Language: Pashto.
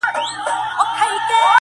تا ولي له بچوو سره په ژوند تصویر وانخیست